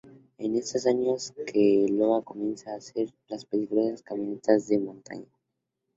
Es en estos años que Evola comienza a hacer las peligrosas caminatas de montaña.